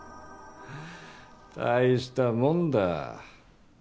大したもんだ。